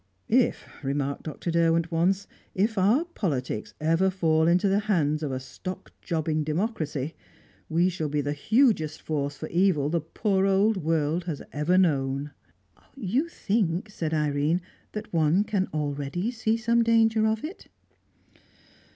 "If," remarked Dr. Derwent once, "if our politics ever fall into the hands of a stock jobbing democracy, we shall be the hugest force for evil the poor old world has ever known." "You think," said Irene, "that one can already see some danger of it?"